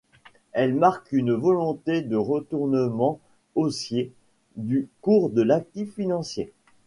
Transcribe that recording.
Elle marque une volonté de retournement haussier du cours de l'actif financier.